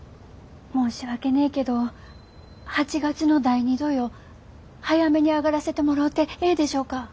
申し訳ねえけど８月の第２土曜早めに上がらせてもろうてええでしょうか？